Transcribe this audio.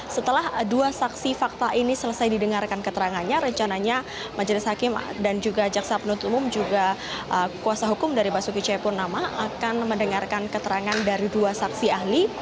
setelah dua saksi fakta ini selesai didengarkan keterangannya rencananya majelis hakim dan juga jaksa penuntut umum juga kuasa hukum dari basuki cepurnama akan mendengarkan keterangan dari dua saksi ahli